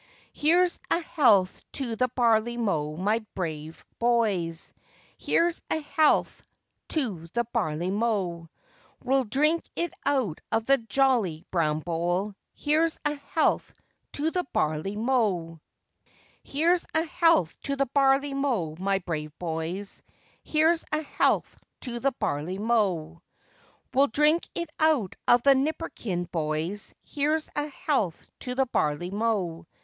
] HERE'S a health to the barley mow, my brave boys, Here's a health to the barley mow! We'll drink it out of the jolly brown bowl, Here's a health to the barley mow! Cho. Here's a health to the barley mow, my brave boys, Here's a health to the barley mow! We'll drink it out of the nipperkin, boys, Here's a health to the barley mow!